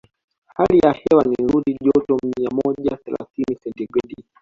Hali ya hewa ni nyuzi joto mia moja thelathini sentigredi